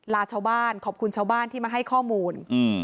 ลาชาวบ้านขอบคุณชาวบ้านที่มาให้ข้อมูล